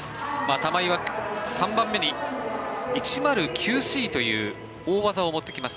玉井は３番目に１０９Ｃという大技を持ってきます。